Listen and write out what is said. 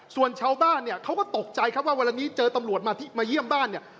ส่วนชาวบ้านเนี่ยเขาก็ตกใจครับว่าเวลานี้เจอตำรวจมาเยี่ยมบ้านเนี่ย